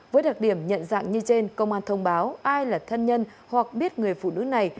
với đặc điểm nhận dạng như trên công an thông báo ai là thân nhân hoặc biết người phụ nữ này